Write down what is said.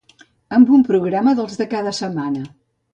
Amb un programa dels de cada setmana.